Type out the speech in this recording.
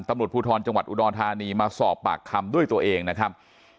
ตำรวจภูทรจังหวัดอุดรธานีมาสอบปากคำด้วยตัวเองนะครับ